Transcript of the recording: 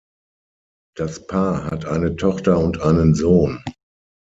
Das Paar hat eine Tochter und einen Sohn.